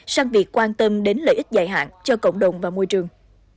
sang việc quan tâm đến lợi ích dài hạn cho cộng đồng và môi trường